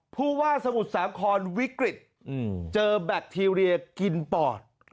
ผู้ว่าสมุทรสาครวิกฤตเจอแบคทีเรียกินปอด